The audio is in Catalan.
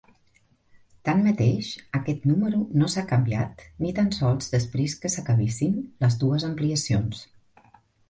Tanmateix, aquest número no s'ha canviat ni tan sols després que s'acabessin les dues ampliacions.